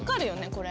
これ。